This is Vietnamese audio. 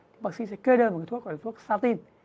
thì bác sĩ sẽ kê đơn một cái thuốc gọi là thuốc satin